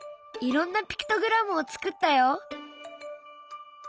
いろんなピクトグラムを作ったよ！